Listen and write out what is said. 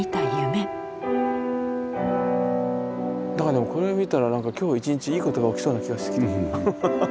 何かでもこれを見たら今日一日いいことが起きそうな気がしてきた。